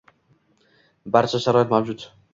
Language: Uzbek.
barcha sharoit mavjud.